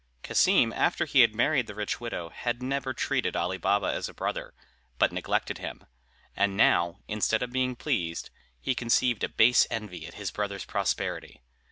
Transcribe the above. Cassim, after he had married the rich widow, had never treated Ali Baba as a brother, but neglected him; and now, instead of being pleased, he conceived a base envy at his brother's prosperity.